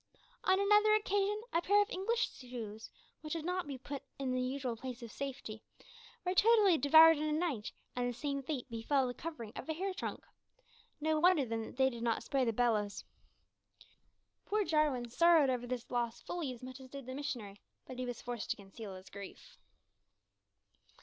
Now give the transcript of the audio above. On another occasion, a pair of English shoes, which had not been put in the usual place of safety, were totally devoured in a night, and the same fate befell the covering of a hair trunk. No wonder, then, that they did not spare the bellows! Poor Jarwin sorrowed over this loss fully as much as did the missionary, but he was forced to conceal his grief.